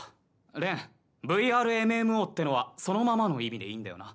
錬ＶＲＭＭＯってのはそのままの意味でいいんだよな？